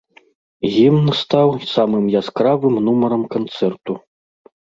Гімн стаў самым яскравым нумарам канцэрту.